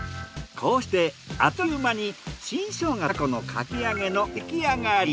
こうしてあっという間に新生姜とじゃこのかき揚げの出来上がり。